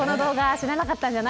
知らなかった。